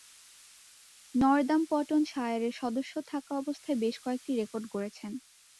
নর্দাম্পটনশায়ারের সদস্য থাকা অবস্থায় বেশ কয়েকটি রেকর্ড গড়েন।